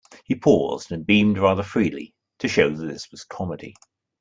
He paused, and beamed rather freely, to show that this was comedy.